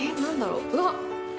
うわっ。